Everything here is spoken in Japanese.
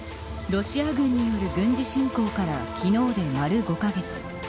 ロシア軍による軍事侵攻から昨日で丸５カ月。